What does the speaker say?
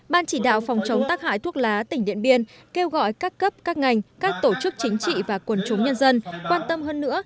ban chỉ đạo phòng chống tắc hại thuốc lá tỉnh điện biên kêu gọi các cấp các ngành các tổ chức chính trị và quần chúng nhân dân quan tâm hơn nữa